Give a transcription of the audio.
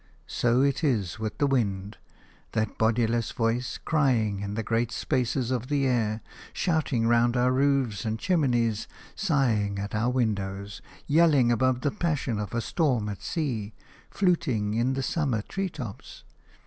So it is with the wind – that bodiless voice crying in the great spaces of the air, shouting round our roofs and chimneys, sighing at our windows, yelling above the passion of a storm at sea, fluting in the summer treetops.